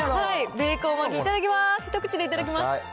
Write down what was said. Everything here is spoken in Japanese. ベーコン巻き、いただきます。